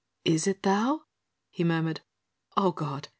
"Is it thou?" he murmured. "Oh God!